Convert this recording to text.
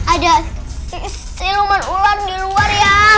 ada siluman ular di luar ya